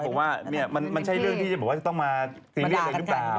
บอกว่ามันใช่เรื่องที่จะต้องมาซิริสร์เลยหรือเปล่า